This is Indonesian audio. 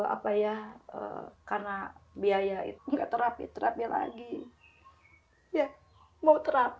asal dia kaku gitu se dedeknya